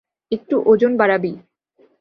একটু ওজন বাড়াবি।